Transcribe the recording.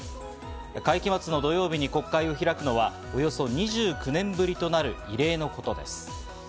会期末の土曜日に国会を開くのは、およそ２９年ぶりとなる、異例のことです。